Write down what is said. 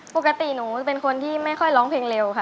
ปกติหนูเป็นคนที่ไม่ค่อยร้องเพลงเร็วค่ะ